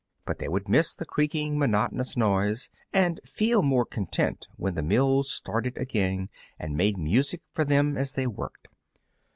But they would miss the creaking, monotonous noise, and feel more content when the mill started again and made music for them as they worked.